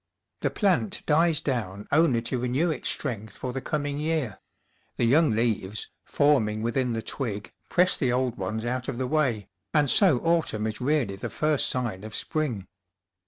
The plant dies down only to renew its strength for the coming year ; the young leaves, forming within the twig, press the old ones out of the way, and so autumn is really the first sign of spring.